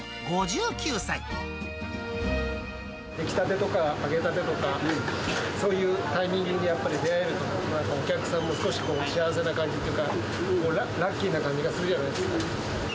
出来たてとか、揚げたてとか、そういうタイミングにやっぱり出会えると、お客さんも少しこう、幸せな感じとか、ラッキーな感じがするよね。